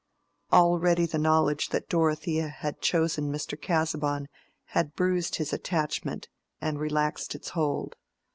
Already the knowledge that Dorothea had chosen Mr. Casaubon had bruised his attachment and relaxed its hold.